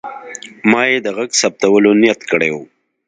ما یې د غږ ثبتولو نیت کړی و.